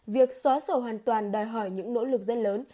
việc xóa sổ hoàn toàn đòi hỏi những nỗ lực rất lớn